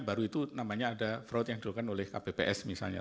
baru itu namanya ada fraud yang dilakukan oleh kpps misalnya